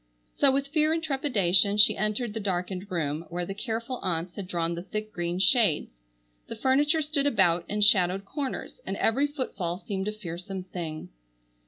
So with fear and trepidation she entered the darkened room, where the careful aunts had drawn the thick green shades. The furniture stood about in shadowed corners, and every footfall seemed a fearsome thing.